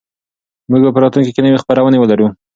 موږ به په راتلونکي کې نوې خپرونې ولرو.